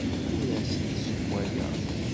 Ur asent-d-ssewwayeɣ.